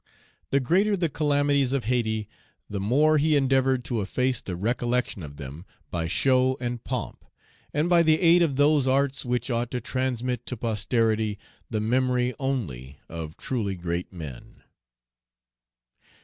The greater the calamities of Hayti, the more he endeavored to efface the recollection of them by show and pomp, and by the aid of those arts which ought to transmit to posterity the memory only of truly great men.